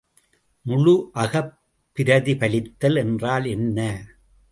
முழு அகப் பிரதிபலித்தல் என்றால் என்ன?